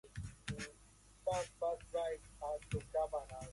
His arrival has been heralded as the most significant event in the band's formation.